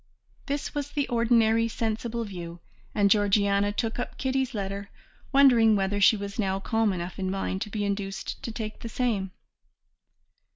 This was the ordinary, sensible view, and Georgiana took up Kitty's letter wondering whether she was now calm enough in mind to be induced to take the same.